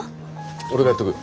俺がやっとくよ。